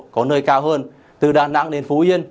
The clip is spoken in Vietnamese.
có nơi cao hơn từ đà nẵng đến phú yên